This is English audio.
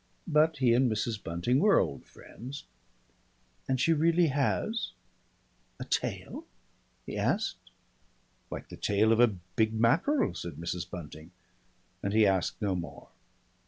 But he and Mrs. Bunting were old friends. "And she really has ... a tail?" he asked. "Like the tail of a big mackerel," said Mrs. Bunting, and he asked no more.